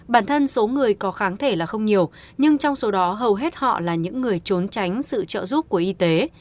bản thân số người có kháng thể là không nhiều nhưng trong số đó hầu hết họ là những người trốn tránh sự trợ giúp của y tế